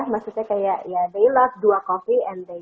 maksudnya kayak ya mereka suka dua kopi